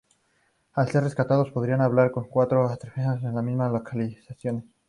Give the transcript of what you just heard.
Al ser rescatados, podrás hablar con los cuatro antepasados en estas mismas locaciones.